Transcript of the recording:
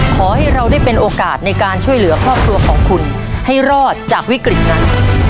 ขอให้เราได้เป็นโอกาสในการช่วยเหลือครอบครัวของคุณให้รอดจากวิกฤตนั้น